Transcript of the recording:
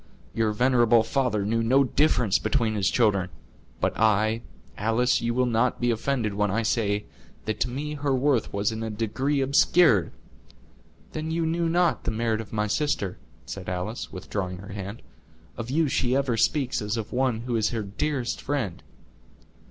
Your venerable father knew no difference between his children; but I—Alice, you will not be offended when I say, that to me her worth was in a degree obscured—" "Then you knew not the merit of my sister," said Alice, withdrawing her hand; "of you she ever speaks as of one who is her dearest friend."